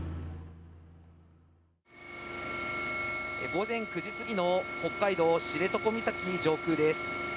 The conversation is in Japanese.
午前９時過ぎの北海道知床岬上空です。